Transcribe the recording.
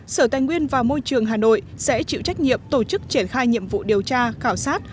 sở tài nguyên và môi trường hà nội sẽ chịu trách nhiệm tổ chức triển khai nhiệm vụ điều tra khảo sát